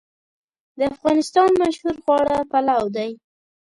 د افغانستان مشهور خواړه پلو دی